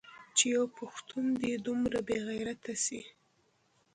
چې يو پښتون دې دومره بې غيرته سي.